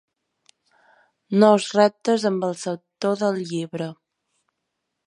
Nous reptes amb el sector del llibre.